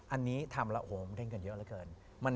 อันนี้ทำแล้วโอ้โหเร่งกันเยอะเหลือเกิน